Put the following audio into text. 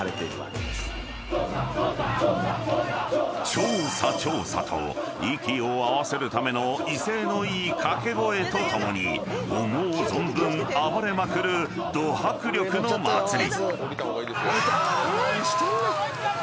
［「ちょーさちょーさ」と息を合わせるための威勢のいい掛け声とともに思う存分暴れまくるド迫力の祭り］